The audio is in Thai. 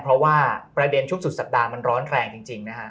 เพราะว่าประเด็นทุกสุดสัปดาห์มันร้อนแรงจริงนะฮะ